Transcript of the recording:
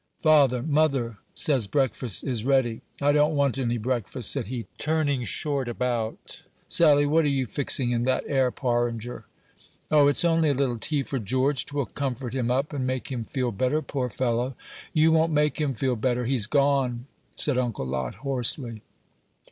"Father, mother says breakfast is ready." "I don't want any breakfast," said he, turning short about. "Sally, what are you fixing in that 'ere porringer?" "O, it's only a little tea for George; 'twill comfort him up, and make him feel better, poor fellow." "You won't make him feel better he's gone," said Uncle Lot, hoarsely.